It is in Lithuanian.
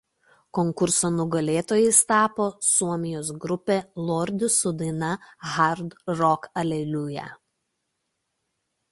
Konkurso nugalėtojais tapo Suomijos grupė Lordi su daina „Hard rock hallelujah“.